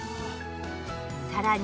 さらに